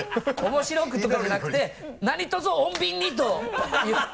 面白くとかじゃなくてなにとぞ穏便に！と言って。